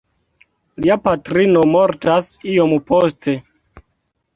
Lia patrino mortas iom poste.